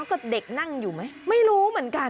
ก็เด็กนั่งอยู่ไหมไม่รู้เหมือนกัน